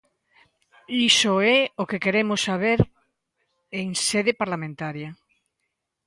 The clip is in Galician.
Iso é o que queremos saber en sede parlamentaria.